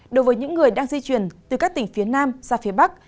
đối với những người đang di chuyển từ các tỉnh phía nam ra phía bắc